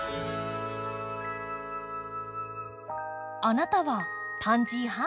あなたはパンジー派？